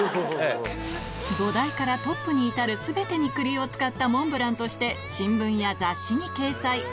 土台からトップに至る全てに栗を使ったモンブランとして新聞や雑誌に掲載！